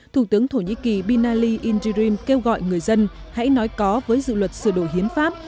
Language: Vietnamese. thủ tướng thổ nhĩ kỳ binali indirim kêu gọi người dân hãy nói có với dự luật sửa đổi hiến pháp